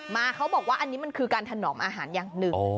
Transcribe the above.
เขาบอกว่าอันนี้มันคือการถนอมอาหารอย่างหนึ่ง